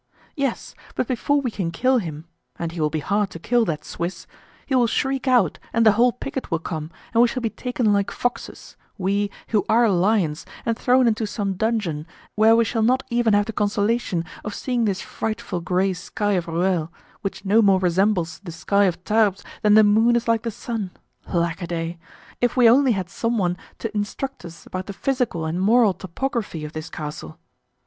"Yes, but before we can kill him—and he will be hard to kill, that Swiss—he will shriek out and the whole picket will come, and we shall be taken like foxes, we, who are lions, and thrown into some dungeon, where we shall not even have the consolation of seeing this frightful gray sky of Rueil, which no more resembles the sky of Tarbes than the moon is like the sun. Lack a day! if we only had some one to instruct us about the physical and moral topography of this castle.